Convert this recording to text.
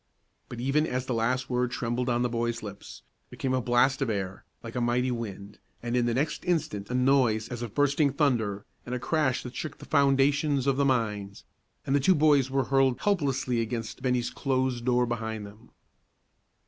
But even as the last word trembled on the boy's lips, there came a blast of air, like a mighty wind, and in the next instant a noise as of bursting thunder, and a crash that shook the foundations of the mines, and the two boys were hurled helplessly against Bennie's closed door behind them.